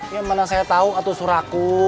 yang mana saya tahu atuh surahku